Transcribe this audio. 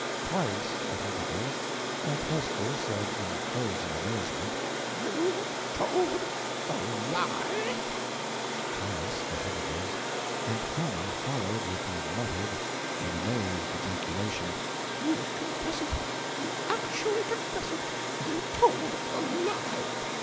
Twice, at intervals, Aunt Hester said, in frozen amazement: "You told a lie?" Twice, at intervals, Aunt Hannah followed with the muttered and amazed ejaculation: "You confess it you actually confess it you told a lie!"